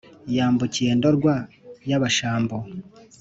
yambukiye ndorwa y’abashambo